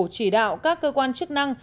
chỉ đạo các cơ quan chức năng